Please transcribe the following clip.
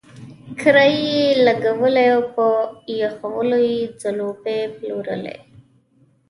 کرایي یې لګولی او په پخولو یې ځلوبۍ پلورلې.